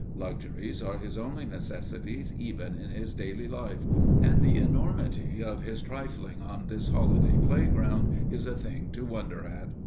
Luxuries are his only necessities even in his daily life, and the enormity of his trifling on this holiday playground is a thing to wonder at.